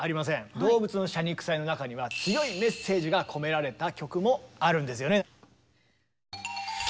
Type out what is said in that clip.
「動物の謝肉祭」の中には強いメッセージが込められた曲もあるんですよね。